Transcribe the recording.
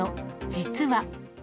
実は。